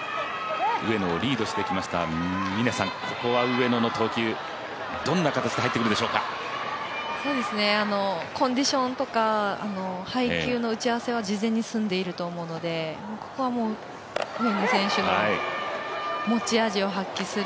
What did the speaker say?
ここは上野の投球どんな形で入ってくるでしょうかコンディションとか配球の打ち合わせは事前に済んでいると思うので、ここはもう、上野選手の持ち味を発揮する。